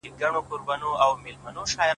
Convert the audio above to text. خوشحال په دې يم چي ذهين نه سمه;